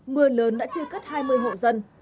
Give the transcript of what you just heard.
mưa lớn đã chưa cắt hai mươi hộ dân